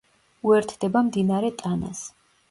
უერთდება მდინარე ტანას.